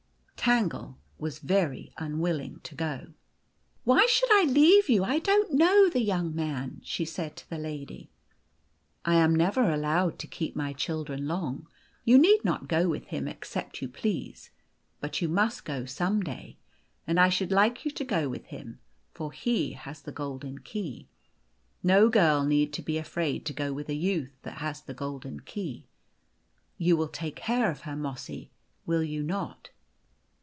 Tangle was very unwilling to go. " Why should I leave you ? I don't know the young man," she said to the lady. *>" I am never allowed to keep my children long. You need not go with him except you please, but you must go some day ; and I should like you to go with him, for he has found the golden key. No girl need be afraid to go with a youth that has the golden key. You will take care of her, Mossy, will you not